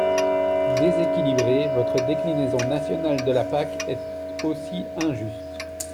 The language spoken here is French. Déséquilibrée, votre déclinaison nationale de la PAC est aussi injuste.